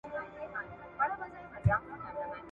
زده کړه د تجارتي امکاناتو د پراختیا لامل ګرځي.